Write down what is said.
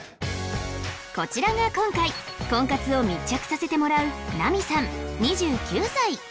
こちらが今回婚活を密着させてもらうナミさん２９歳